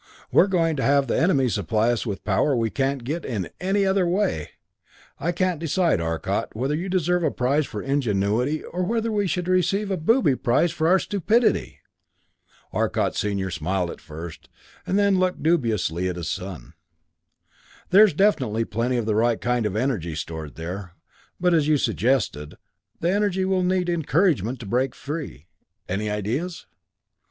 We're going to have the enemy supply us with power we can't get in any other way. I can't decide, Arcot, whether you deserve a prize for ingenuity, or whether we should receive booby prizes for our stupidity." Arcot Senior smiled at first, then looked dubiously at his son. "There's definitely plenty of the right kind of energy stored there but as you suggested, the energy will need encouragement to break free. Any ideas?"